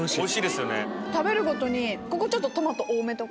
食べるごとにここちょっとトマト多めとか。